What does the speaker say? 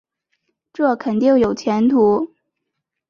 这肯定有前途